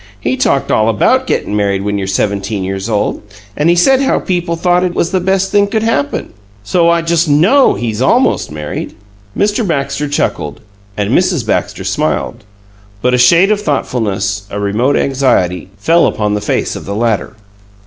He talked all about gettin' married when you're seventeen years old, an' he said how people thought it was the best thing could happen. So I just KNOW he's almost married!" Mr. Baxter chuckled, and Mrs. Baxter smiled, but a shade of thoughtfulness, a remote anxiety, tell upon the face of the latter.